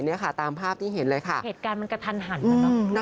เนี่ยค่ะตามภาพที่เห็นเลยค่ะเหตุการณ์มันกระทันหันอ่ะเนอะ